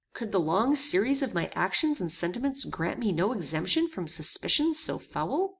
Could the long series of my actions and sentiments grant me no exemption from suspicions so foul?